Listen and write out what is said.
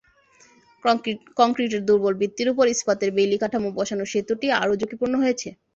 কংক্রিটের দুর্বল ভিত্তির ওপর ইস্পাতের বেইলি কাঠামো বসানোয় সেতুটি আরও ঝুঁকিপূর্ণ হয়েছে।